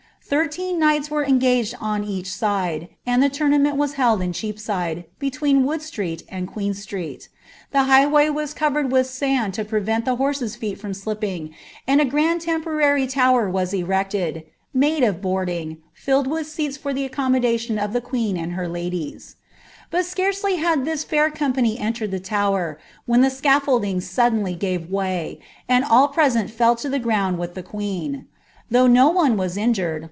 Thirteen knights were engaged on each ■ the tournament was held in Cheapsiile, between Wood slreet Hn «tr(«t; the highway was covered with sand to prevent the Ibet fram slipping, and a grand temporary' tower was erected, ; boarding, filled with seats for the accommodation of the queen ladies. But scarcely had this fair company entered the tower, be scaffolding suddenly gave way, and all present fell lo the with the queen. Though no one was iniurea.